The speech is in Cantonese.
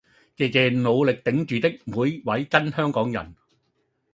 謝謝努力頂住的每位真香港人